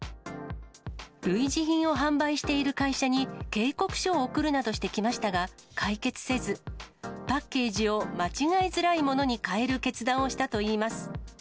類似品を販売している会社に警告書を送るなどしてきましたが、解決せず、パッケージを間違えづらいものに変える決断をしたといいます。